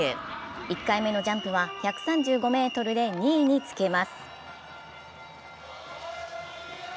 １回目のジャンプは１３５ｍで２位につけます。